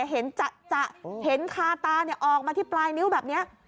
เห็นจะเห็นคาตาออกมาที่ปลายนิ้วแบบนี้